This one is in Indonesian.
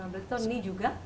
berarti tuh ini juga